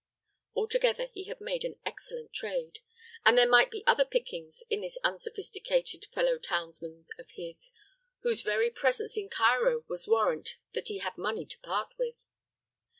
Altogether he had made an excellent trade, and there might be other pickings in this unsophisticated fellow townsman of his, whose very presence in Cairo was warrant that he had money to part with.